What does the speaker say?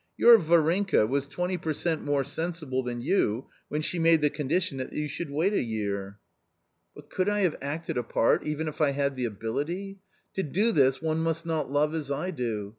" Your Varinka was twenty per cent, more sensible than you when she made the condition that you should wait a year." /\\ A COMMON STORY 137 " But could I have acted a part even if I had the ability ? To do this one must not love as I do.